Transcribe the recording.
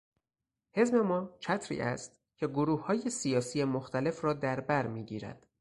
حزب ما چتری است که گروههای سیاسی مختلف را در برمیگیرد.